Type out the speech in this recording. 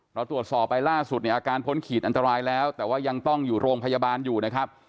เราตรวจสอบไปล่าสุดเนี่ยอาการพ้นขีดอันตรายแล้วแต่ว่ายังต้องอยู่โรงพยาบาลอยู่นะครับ